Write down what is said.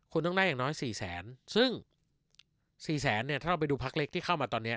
คุณต้องได้อย่างน้อย๔แสนซึ่ง๔แสนเนี่ยถ้าเราไปดูพักเล็กที่เข้ามาตอนนี้